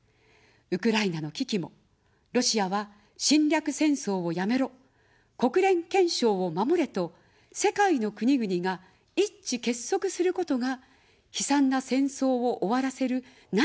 ウクライナの危機も「ロシアは侵略戦争をやめろ」、「国連憲章を守れ」と世界の国々が一致結束することが、悲惨な戦争を終わらせる何よりの力です。